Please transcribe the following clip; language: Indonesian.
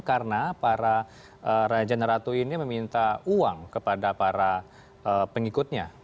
karena para raja dan ratu ini meminta uang kepada para pengikutnya